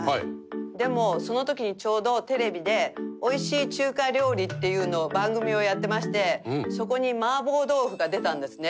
でもその時にちょうどテレビで美味しい中華料理っていうのを番組をやってましてそこに麻婆豆腐が出たんですね。